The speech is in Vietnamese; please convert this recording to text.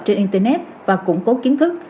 trên internet và củng cố kiến thức